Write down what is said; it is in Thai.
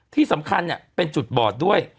ที่สำคัญเป็นจุดบอดด้วย